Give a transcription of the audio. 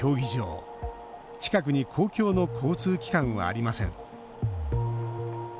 近くに公共の交通機関はありません。